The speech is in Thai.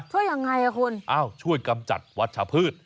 ช่วยยังไงอ่ะคุณอ้าวช่วยกำจัดวัชพืช